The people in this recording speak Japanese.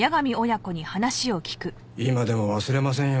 今でも忘れませんよ